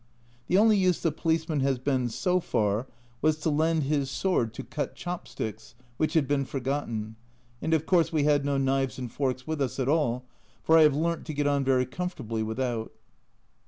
The only use the policeman has been so far, was to lend his sword to 1 6 A Journal from Japan cut chop sticks, which had been forgotten, and of course we had no knives and forks with us at all, for I have learnt to get on very comfortably without.